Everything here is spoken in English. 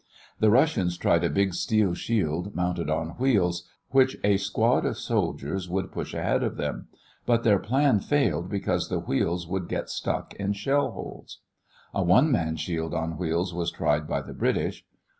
The Russians tried a big steel shield mounted on wheels, which a squad of soldiers would push ahead of them, but their plan failed because the wheels would get stuck in shell holes. A one man shield on wheels was tried by the British.